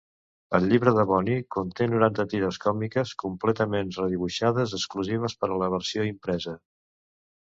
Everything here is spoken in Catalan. El llibre de Bunny conté noranta tires còmiques completament redibuixades exclusives per a la versió impresa.